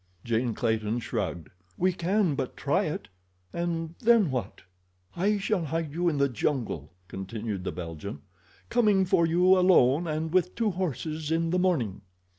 Jane Clayton shrugged. "We can but try it—and then what?" "I shall hide you in the jungle," continued the Belgian, "coming for you alone and with two horses in the morning."